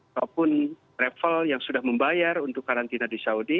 ataupun travel yang sudah membayar untuk karantina di saudi